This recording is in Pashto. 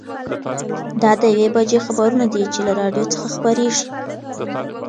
دا د یوې بجې خبرونه دي چې له راډیو څخه خپرېږي.